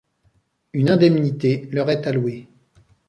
Une indemnité leur est allouée.